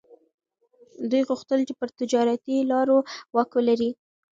دوی غوښتل چي پر تجارتي لارو واک ولري.